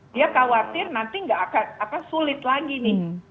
dia khawatir nanti nggak akan sulit lagi nih